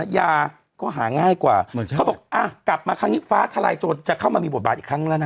ยาก็หาง่ายกว่าเขาบอกอ่ะกลับมาครั้งนี้ฟ้าทลายโจรจะเข้ามามีบทบาทอีกครั้งแล้วนะ